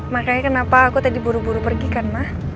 makanya kenapa aku tadi buru buru pergi kan mah